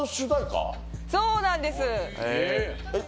そうなんですえっ